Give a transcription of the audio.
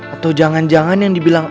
atau jangan jangan yang dibilang